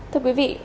thưa quý vị